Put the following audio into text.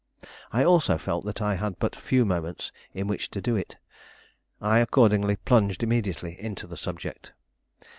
I also felt that I had but few moments in which to do it. I accordingly plunged immediately into the subject.